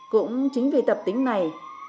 cũng chính vì tập tính này